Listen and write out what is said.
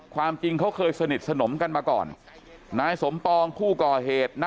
ความจริงเขาเคยสนิทสนมกันมาก่อนนายสมปองผู้ก่อเหตุนะ